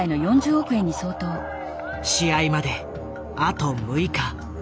試合まであと６日。